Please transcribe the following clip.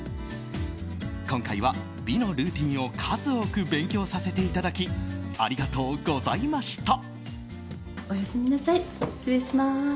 今回は美のルーティンを数多く勉強させていただきありがとうございました。